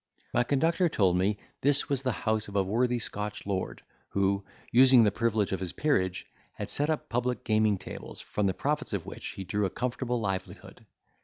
My conductor told me this was the house of a worthy Scotch lord, who, using the privilege of his peerage, had set up public gaming tables, from the profits of which he drew a comfortable livelihood.